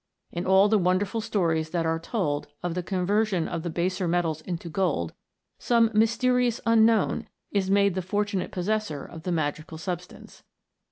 In all the wonderful 78 MODERN ALCHEMY. stories that are told of the conversion of the baser metals into gold, some mysterious unknown is made the fortunate possessor of the magical substance.